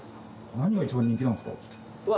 何が一番人気なんですか？